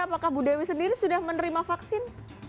apakah bu dewi sendiri sudah menerima vaksin